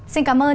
xin cảm ơn